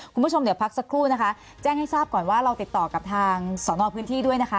คุณผู้ชมเดี๋ยวพักสักครู่นะคะแจ้งให้ทราบก่อนว่าเราติดต่อกับทางสอนอพื้นที่ด้วยนะคะ